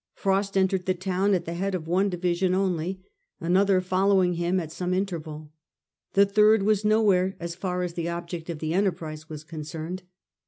Frost entered the town at the head of one division only, another following bfm at some interval. The third was nowhere as far as the object of the enterprise was concerned.